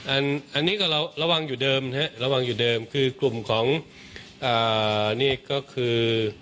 อันนี้ก็เราระวังอยู่เดิมนะฮะระวังอยู่เดิมคือกลุ่มของอ่านี่ก็คือ